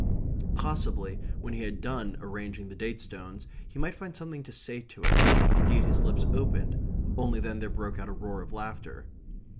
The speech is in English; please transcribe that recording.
Possibly, when he had done arranging the date stones, he might find something to say to it indeed his lips opened only then there broke out a roar of laughter.